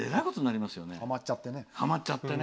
はまっちゃってね。